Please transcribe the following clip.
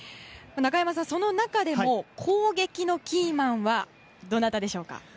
中山さん、その中でも攻撃のキーマンはどなたでしょうか。